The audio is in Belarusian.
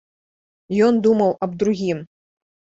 Ён думаў аб другім.